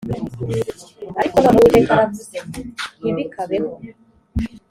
ariko none uwiteka aravuze ngo ntibikabeho